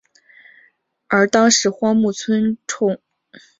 而当时荒木村重有所向无敌的毛利村上水军作海援。